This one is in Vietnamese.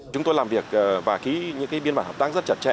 chúng tôi làm việc và ký những biên bản hợp tác rất chặt chẽ